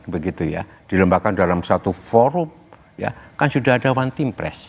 begitu ya dilembakan dalam satu forum ya kan sudah ada one team press